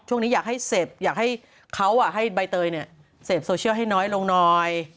ช่วงนี้อยากให้เสพเขาให้ใบเตยเสพโซเชียลให้น้อยลงน้อย